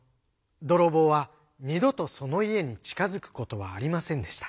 どろぼうはにどとそのいえにちかづくことはありませんでした。